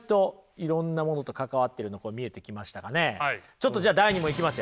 ちょっとじゃあ第２問いきますよ。